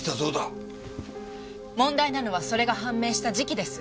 問題なのはそれが判明した時期です。